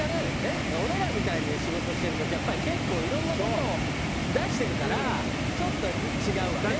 俺らみたいな仕事してるとやっぱり結構いろんな事を出してるからちょっと違うわね。